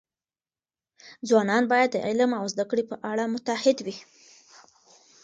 ځوانان باید د علم او زده کړې په اړه متعهد وي.